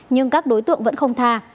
nhưng các đối tượng vẫn không tha